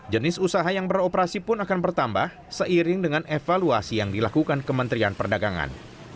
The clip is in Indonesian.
jenis usaha yang beroperasi pun akan bertambah seiring dengan evaluasi yang dilakukan kementerian perdagangan